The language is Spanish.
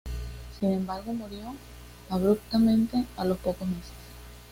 Sin embargo, murió abruptamente a los pocos meses.